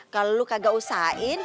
kalau lu kagak usahain